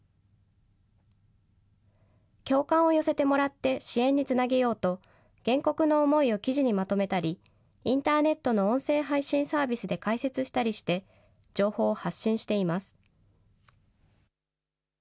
共感を寄せてもらって支援につなげようと、原告の思いを記事にまとめたり、インターネットの音声配信サービスで解説したりして、情報を発信しています。